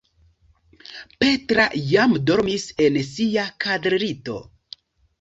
Petra jam dormis en sia kradlito.